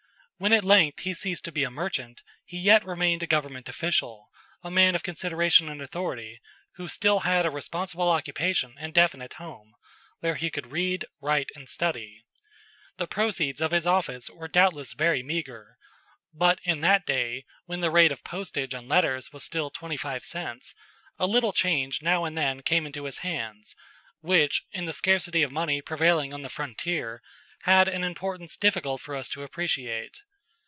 When at length he ceased to be a merchant, he yet remained a government official, a man of consideration and authority, who still had a responsible occupation and definite home, where he could read, write, and study. The proceeds of his office were doubtless very meager, but in that day, when the rate of postage on letters was still twenty five cents, a little change now and then came into his hands, which, in the scarcity of money prevailing on the frontier, had an importance difficult for us to appreciate.